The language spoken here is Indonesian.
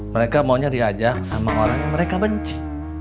mereka maunya diajak sama orang yang mereka benci